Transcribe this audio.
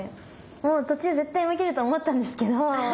もう途中絶対負けると思ったんですけど。